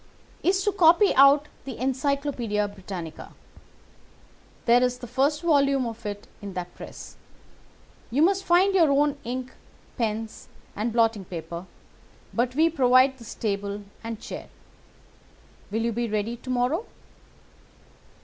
"'Is to copy out the Encyclopædia Britannica. There is the first volume of it in that press. You must find your own ink, pens, and blotting paper, but we provide this table and chair. Will you be ready to morrow?